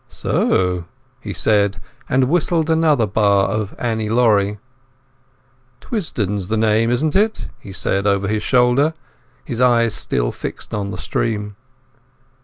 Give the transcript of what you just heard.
"So," he said, and whistled another bar of "Annie Laurie". "Twisdon's the name, isn't it?" he said over his shoulder, his eyes still fixed on the stream.